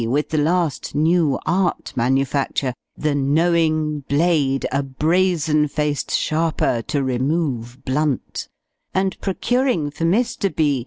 with the last new art manufacture "The Knowing Blade, a brazen faced sharper, to remove blunt;" and procuring for Mr. B.